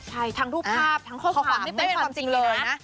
ใช่ทั้งรูปภาพทั้งข้อความไม่เป็นความจริงเลยนะ